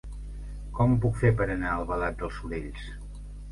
Com ho puc fer per anar a Albalat dels Sorells?